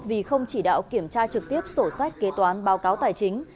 vì không chỉ đạo kiểm tra trực tiếp sổ sách kế toán báo cáo tài chính